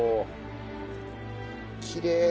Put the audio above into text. きれい。